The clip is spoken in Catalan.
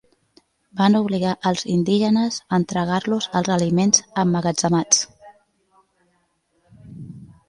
Van obligar als indígenes a entregar-los els aliments emmagatzemats.